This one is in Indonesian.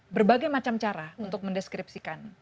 berbagai macam cara untuk mendeskripsikan